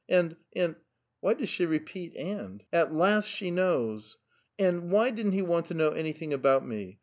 * And — and —" (why does she repeat " and"? At last she knows!) "and why didn't he want to know anything about me?